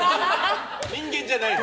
人間じゃないの？